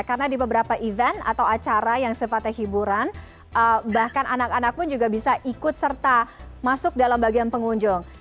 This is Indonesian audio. karena di beberapa event atau acara yang sepatah hiburan bahkan anak anak pun juga bisa ikut serta masuk dalam bagian pengunjung